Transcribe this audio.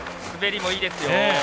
滑りもいいですよ。